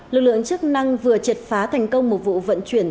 lực lượng chức năng vừa triệt phá thành công một vụ vận chuyển